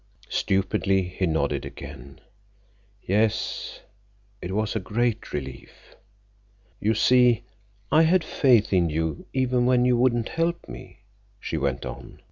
Stupidly he nodded again. "Yes, it was a great relief." "You see, I had faith in you even when you wouldn't help me," she went on.